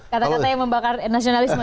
kata kata yang membakar nasionalisme ya pak